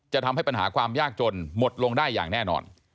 ทำให้ปัญหาความยากจนหมดลงได้อย่างแน่นอน